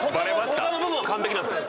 他の部分は完璧なんです。